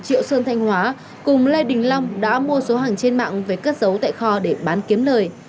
triệu sơn thanh hóa cùng lê đình long đã mua số hàng trên mạng về cất giấu tại kho để bán kiếm lời